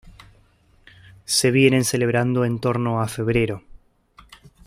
Se vienen celebrando en torno a febrero.